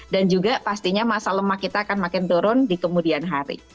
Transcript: dan juga pastinya masa lemak kita akan makin turun di kemudian hari